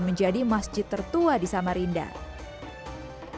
masjid ini juga diperkenalkan sebagai masjid yang berbentuk